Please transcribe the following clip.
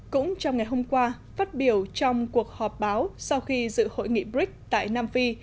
cũng trong ngày hôm qua phát biểu trong cuộc họp báo sau khi dự hội nghị brics tại nam phi